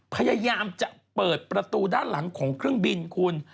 พยายามจะเปิดประตูด้านหลังของเครื่องบินคุณ